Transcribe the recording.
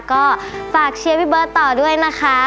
ก็ฝากเชียร์พี่เบิร์ตต่อด้วยนะคะ